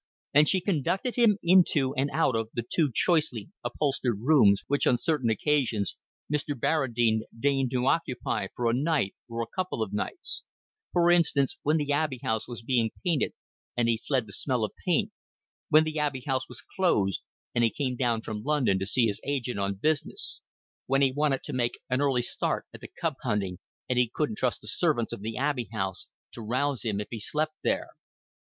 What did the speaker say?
And she conducted him into and out of the two choicely upholstered rooms which on certain occasions Mr. Barradine deigned to occupy for a night or a couple of nights for instance, when the Abbey House was being painted and he fled the smell of paint, when the Abbey House was closed and he came down from London to see his agent on business, when he wanted to make an early start at the cub hunting and he couldn't trust the servants of the Abbey House to rouse him if he slept there.